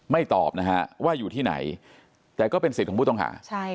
ตอบนะฮะว่าอยู่ที่ไหนแต่ก็เป็นสิทธิ์ของผู้ต้องหา